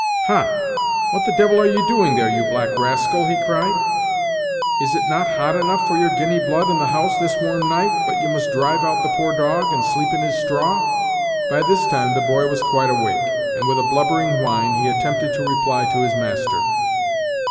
"Ha! what the devil are you doing there, you black rascal?" he cried. "Is it not hot enough for your Guinea blood in the house this warm night, but you must drive out the poor dog, and sleep in his straw?" By this time the boy was quite awake, and, with a blubbering whine, he attempted to reply to his master.